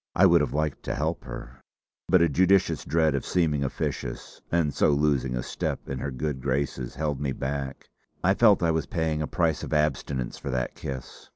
I would have liked to help her, but a judicious dread of seeming officious and so losing a step in her good graces held me back. I felt that I was paying a price of abstinence for that kiss.